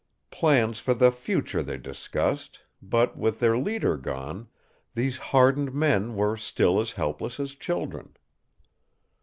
Plans for the future they discussed, but, with their leader gone, these hardened men were still as helpless as children.